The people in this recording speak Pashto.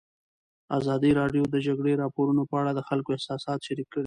ازادي راډیو د د جګړې راپورونه په اړه د خلکو احساسات شریک کړي.